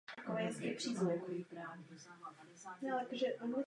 Tramvaje značky Ganz jezdily například i na úzkorozchodných tratích v Bratislavě a Záhřebu.